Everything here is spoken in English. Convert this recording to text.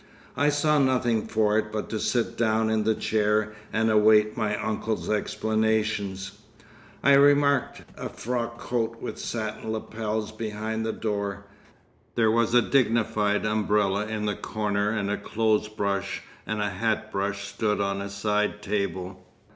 I saw nothing for it but to sit down in the chair and await my uncle's explanations. I remarked a frock coat with satin lapels behind the door; there was a dignified umbrella in the corner and a clothes brush and a hat brush stood on a side table.